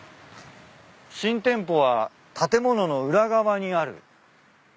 新店舗は建物の裏側にある。